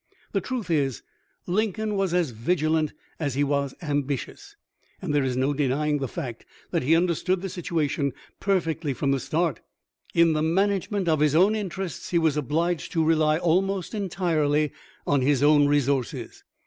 The truth is, Lincoln was as vigilant as he was ambitious, and there is no denying the fact that he understood the situation perfectly from the start. In the man agement of his own interests he was obliged to rely almost entirely on his own resources.